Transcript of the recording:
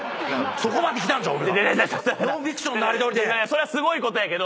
そらすごいことやけど。